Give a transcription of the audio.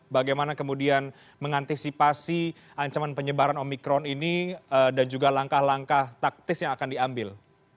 bagaimana kemudian mengantisipasi ancaman penyebaran omikron ini dan juga langkah langkah taktis yang akan diambil